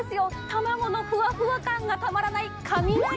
卵のふわふわ感がたまらないかみなり寒天。